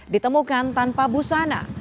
ditemukan tanpa busana